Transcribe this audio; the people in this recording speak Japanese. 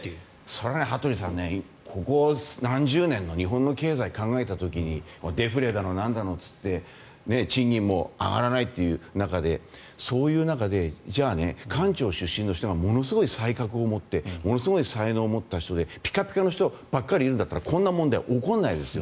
それはね、羽鳥さんここ何十年の日本の経済を考えた時にデフレだのなんだといって賃金も上がらないっていう中でじゃあ、官庁出身の人がものすごい才覚を持ってものすごい才能を持った人でピカピカの人ばかりいるならこんな問題起こらないですよ。